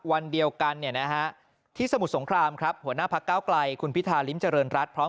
วันเดียวกันนะฮะ